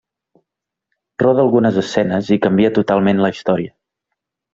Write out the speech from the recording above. Roda algunes escenes i canvia totalment la història.